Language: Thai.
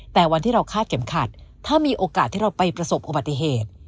แต่วันที่เราคาดเข็มขัดถ้ามีโอกาสที่เราไปประสบอุบัติเหตุ